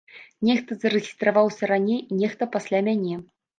Нехта зарэгістраваўся раней, нехта пасля мяне.